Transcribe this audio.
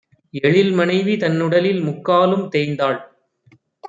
எழில்மனைவி தன்னுடலில் முக்காலும் தேய்ந்தாள்!